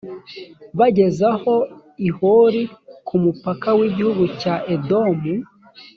bageze aho i hori ku mupaka w’igihugu cya edomu.